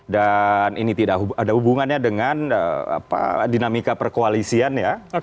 dan ini tidak ada hubungannya dengan dinamika perkoalisian ya